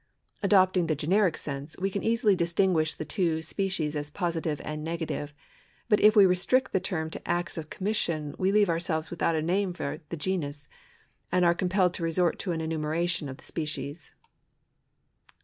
Adopting the generic sense, we can easily distinguish the two species as positive and negative ; but if we restrict the term to acts of commission, we leave ourselves without a name for the genus, and are compelled to resort to an enumeration of the species.